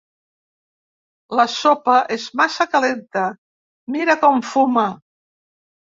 La sopa és massa calenta: mira com fuma!